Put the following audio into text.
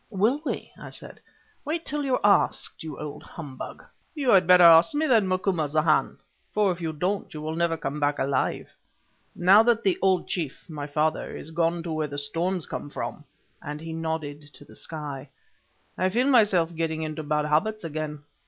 "Will we!" I said; "wait till you are asked, you old humbug." "You had better ask me, then, Macumazahn, for if you don't you will never come back alive. Now that the old chief (my father) is gone to where the storms come from," and he nodded to the sky, "I feel myself getting into bad habits again.